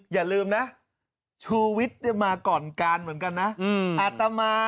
อย่าลืมนะชูวิตเนี้ยมาก่อนการเหมือนกันนะอืมอาตามา